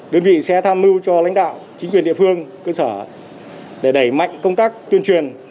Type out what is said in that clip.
đơn vị sẽ tham mưu cho lãnh đạo chính quyền địa phương cơ sở để đẩy mạnh công tác tuyên truyền